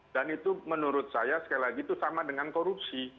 dan itu menurut saya sekali lagi itu sama dengan korupsi